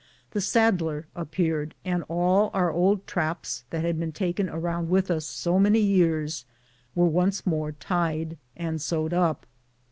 The saddler appeared, and all our old traps that had been taken around with us so many years were once more tied and sewed up.